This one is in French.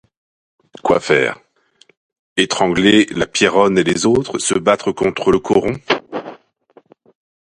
Quoi faire? étrangler la Pierronne et les autres, se battre contre le coron ?